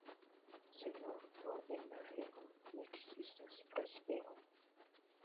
Sen ordo en afero ne ekzistas prospero.